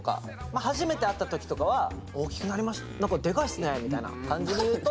初めて会った時とかは「大きくなりま何かでかいっすね」みたいな感じで言うと。